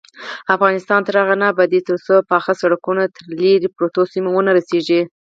افغانستان تر هغو نه ابادیږي، ترڅو پاخه سړکونه تر لیرې پرتو سیمو ونه رسیږي.